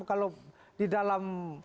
kalau di dalam